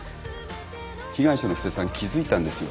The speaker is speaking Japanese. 被害者の布施さん気付いたんですよ。